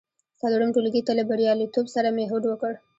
څلورم ټولګي ته له بریالیتوب سره مې هوډ وکړ.